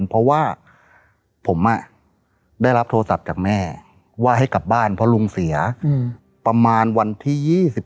เพราะว่าผมได้รับโทรศัพท์จากแม่ว่าให้กลับบ้านเพราะลุงเสียประมาณวันที่๒๓